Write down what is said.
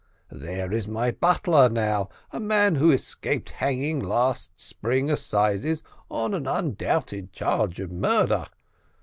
There is my butler, now; a man who escaped hanging last spring assizes on an undoubted charge of murder.